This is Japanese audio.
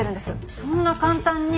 そんな簡単に。